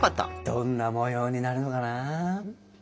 どんな模様になるのかな？